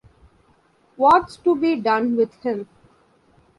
What's to be done with him?